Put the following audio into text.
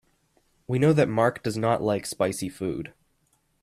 We know that Mark does not like spicy food.